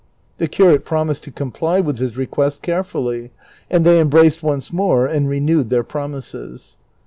The curate promised to comply with his request carefully, and they embraced once more, and renewed their promises.